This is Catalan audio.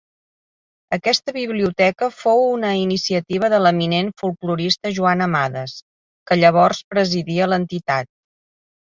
Aquesta biblioteca fou una iniciativa de l'eminent folklorista Joan Amades, que llavors presidia l'entitat.